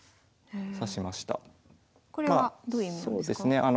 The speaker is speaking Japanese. これはどういう意味なんですか？